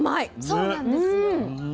そうなんですよ。